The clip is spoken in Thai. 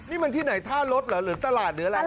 นี่มันที่ไหนท่ารถเหรอหรือตลาดหรืออะไร